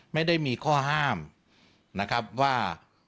ไม่ได้มีข้อห้ามนะครับว่า